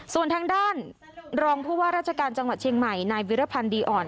ส่วนทางด้านรองผู้ว่าราชการจังหวัดเชียงใหม่นายวิรพันธ์ดีอ่อน